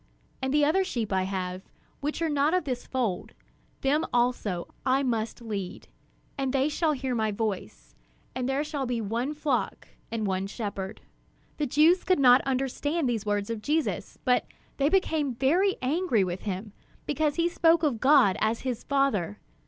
And other sheep I have, which are not of this fold; them also I must lead; and they shall hear my voice; and there shall be one flock and one shepherd." The Jews could not understand these words of Jesus; but they became very angry with him, because he spoke of God as his Father.